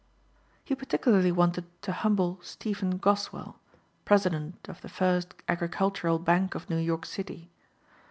He particularly wanted to humble Stephen Goswell, president of the First Agricultural Bank of New York City.